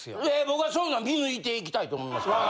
僕はそういうのは見抜いていきたいと思いますから。